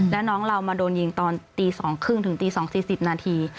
แล้วน้องเรามาโดนยิงตอนตี๒๓๐ถึงตี๒๔๐นาที